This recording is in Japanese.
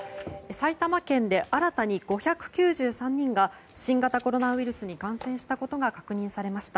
埼玉県で新たに５９３人が新型コロナウイルスに感染したことが確認されました。